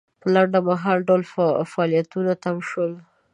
په لنډمهاله ډول فعالیتونه تم شول.